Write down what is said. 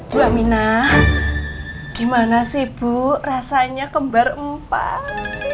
bu aminah gimana sih bu rasanya kembar empat